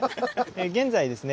現在ですね